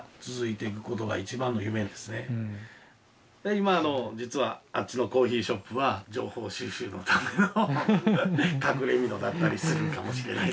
今の実はあっちのコーヒーショップは情報収集のための隠れみのだったりするかもしれないです。